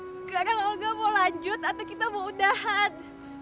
sekarang olga mau lanjut atau kita mau undahan